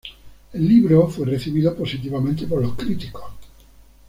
El libro fue recibido positivamente por los críticos.